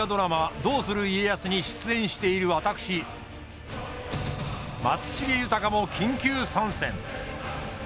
「どうする家康」に出演している私松重豊も緊急参戦！